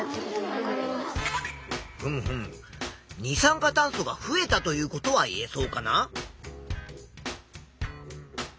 二酸化炭素が増えたということは言えそうかな。